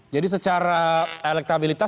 jadi secara elektabilitas